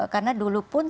karena dulu pun